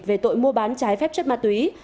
về tội mua bán trái phép chất ma túy